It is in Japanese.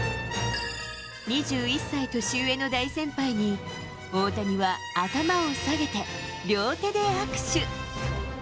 ２１歳年上の大先輩に、大谷は頭を下げて、両手で握手。